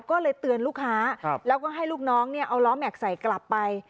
ก็เลยเตือนลูกค้าแล้วก็ให้ลูกน้องเนี่ยเอาล้อแม็กซ์ใส่กลับไป